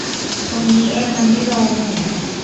ตรงนี้แอร์มันไม่ลง